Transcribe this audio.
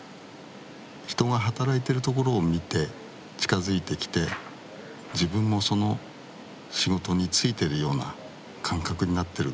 人が働いてるところを見て近づいてきて自分もその仕事に就いてるような感覚になってる。